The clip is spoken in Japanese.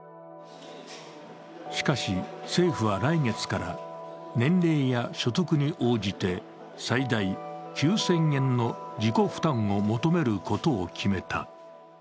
しかし、政府は来月から年齢や所得に応じて最大９０００円の自己負担を求めることを決めた。